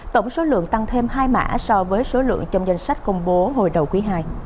tổng số lượng tăng thêm hai mã so với số lượng trong danh sách công bố hồi đầu quý ii